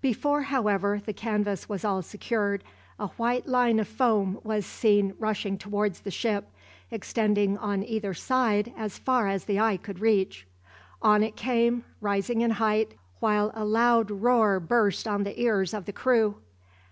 Before, however, the canvas was all secured, a white line of foam was seen rushing towards the ship, extending on either side as far as the eye could reach. On it came, rising in height, while a loud roar burst on the ears of the crew.